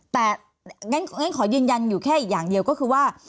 แต่งั้นขอยืนยันอยู่แค่อีกอย่างเดียวก็คือว่า